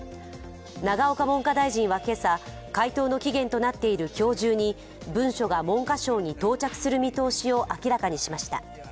永岡文科大臣は今朝、回答の期限となっている今日中に文書が文科省に到着する見通しを明らかにしました。